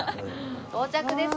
到着です。